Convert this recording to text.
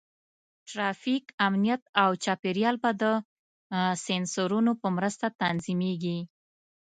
ټرافیک، امنیت، او چاپېریال به د سینسرونو په مرسته تنظیمېږي.